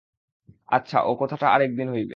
আচ্ছা ও কথাটা আর একদিন হইবে।